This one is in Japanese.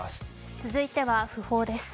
続いては訃報です。